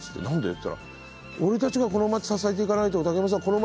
「何で？」って言ったら「俺たちがこの町支えていかないと竹山さん